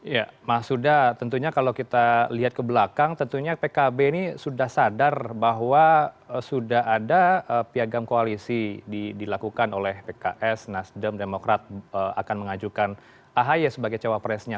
ya mas huda tentunya kalau kita lihat ke belakang tentunya pkb ini sudah sadar bahwa sudah ada piagam koalisi dilakukan oleh pks nasdem demokrat akan mengajukan ahy sebagai cawapresnya